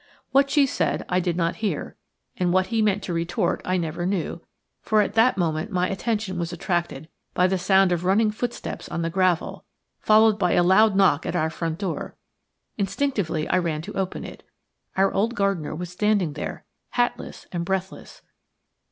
What she said I did not hear, what he meant to retort I never knew, for at that moment my attention was attracted by the sound of running footsteps on the gravel, followed by a loud knock at our front door. Instinctively I ran to open it. Our old gardener was standing there hatless and breathless.